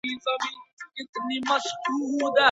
ولي محنتي ځوان د با استعداده کس په پرتله ژر بریالی کېږي؟